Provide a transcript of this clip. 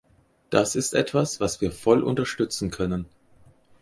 Das ist etwas, was wir voll unterstützen können.